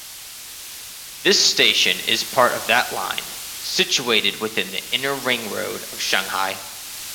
This station is part of that line, situated within the inner ring-road of Shanghai.